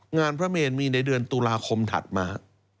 พระเมนมีในเดือนตุลาคมถัดมา